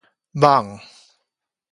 蠓